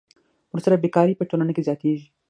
ورسره بېکاري په ټولنه کې زیاتېږي